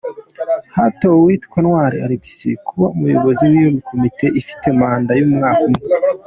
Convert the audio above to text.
Hatowe uwitwa Ntwari Alex kuba Umuyobozi w’iyo komite ifite manda y’umwaka umwe.